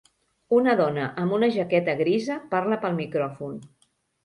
Una dona amb una jaqueta grisa parla pel micròfon.